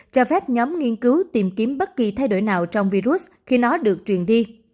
cho phép nhóm nghiên cứu tìm kiếm bất kỳ thay đổi nào trong virus khi nó được truyền đi